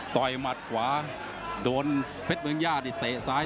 ต่อยมัดขวาโดนเพชรเมืองญาติเตะซ้าย